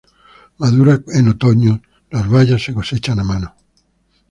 Madura en otoño, las bayas se cosechan a mano.